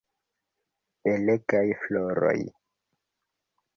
Belegaj floroj!